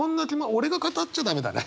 俺が語っちゃ駄目だね！